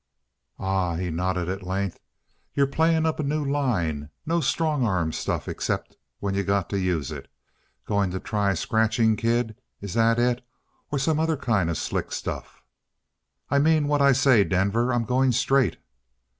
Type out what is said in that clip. "Ah!" he nodded at length. "You playing up a new line. No strong arm stuff except when you got to use it. Going to try scratching, kid? Is that it, or some other kind of slick stuff?" "I mean what I say, Denver. I'm going straight."